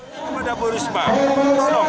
tolong fasilitasi kami kembali